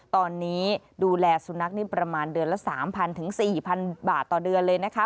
ตอนนี้ดูแลสุนัขนี่ประมาณเดือนละ๓๐๐๔๐๐บาทต่อเดือนเลยนะคะ